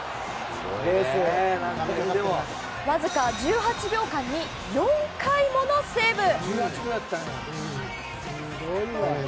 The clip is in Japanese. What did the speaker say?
わずか１８秒間に４回ものセーブ！